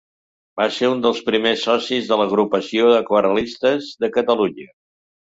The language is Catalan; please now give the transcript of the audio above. Va ser un dels primers socis de l'Agrupació d'Aquarel·listes de Catalunya.